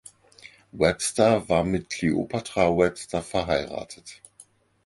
Webster war mit Cleopatra Webster verheiratet.